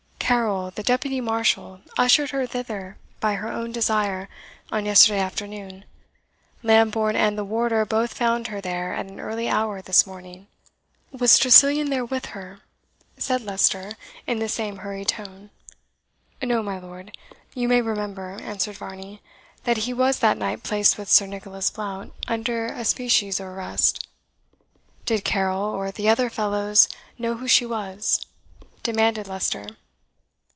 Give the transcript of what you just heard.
"Carrol, the Deputy Marshal, ushered her thither by her own desire, on yesterday afternoon; Lambourne and the Warder both found her there at an early hour this morning." "Was Tressilian there with her?" said Leicester, in the same hurried tone. "No, my lord. You may remember," answered Varney, "that he was that night placed with Sir Nicholas Blount, under a species of arrest." "Did Carrol, or the other fellows, know who she was?" demanded Leicester.